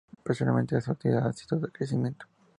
Posteriormente su actividad ha ido decreciendo.